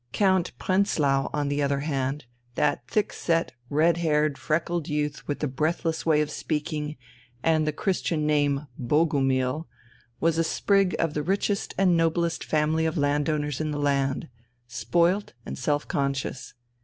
Count Prenzlau on the other hand, that thick set, red haired, freckled youth with the breathless way of speaking and the Christian name Bogumil, was a sprig of the richest and noblest family of landowners in the land, spoilt and self conscious.